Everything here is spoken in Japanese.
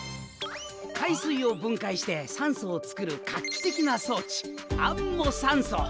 海水を分解して酸素を作る画期的な装置アンモサンソ！